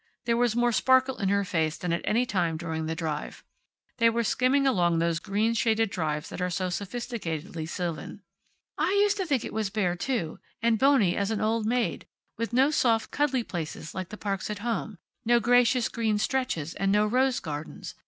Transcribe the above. There was more sparkle in her face than at any time during the drive. They were skimming along those green shaded drives that are so sophisticatedly sylvan. "I used to think it was bare, too, and bony as an old maid, with no soft cuddly places like the parks at home; no gracious green stretches, and no rose gardens.